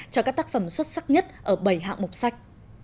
cho các tác phẩm xuất sắc nhất ở bảy hạng mục sách